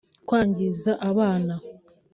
kwangiza abana